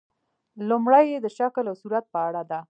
لومړۍ یې د شکل او صورت په اړه ده.